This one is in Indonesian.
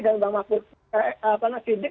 dan bang mahfud siddiq